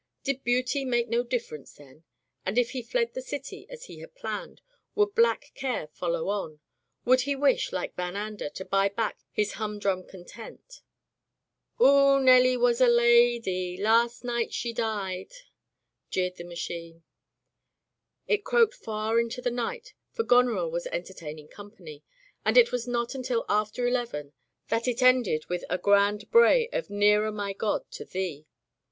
Did beauty make no difference, then ? And if he fled the city, as he had planned, would Black Care follow on ? Would he wish, like Van Ander, to buy back his humdrum content ? "O oh, Nellie was a La ady, La a ast night she died," jeereci the machine. It croaked far into the night, for Goneril was entertaining company; and it was not until after eleven that it ended with a grand bray of "Nearer, My God, to Thee."